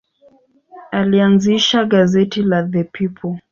Alianzisha gazeti la The People.